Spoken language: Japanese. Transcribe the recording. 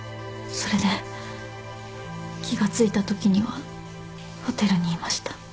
それで気が付いたときにはホテルにいました。